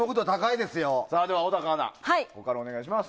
では小高アナ、お願いします。